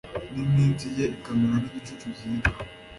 n’iminsi ye ikamera nk’igicucu gihita